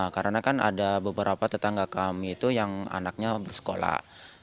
karena kan ada beberapa tetangga kami itu yang anaknya bersekolah